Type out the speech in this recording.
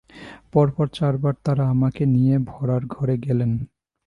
পরপর চারবার তারা আমাকে নিয়ে ভঁড়ার-ঘরে গেলেন।